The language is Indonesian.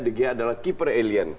dg adalah keeper alien